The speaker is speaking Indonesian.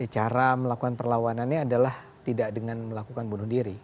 cara melakukan perlawanannya adalah tidak dengan melakukan bunuh diri